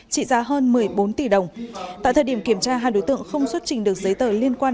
trị giá hơn một mươi bốn tỷ đồng tại thời điểm kiểm tra hai đối tượng không xuất trình được giấy tờ liên quan